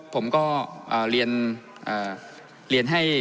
ผมก็เรียนให้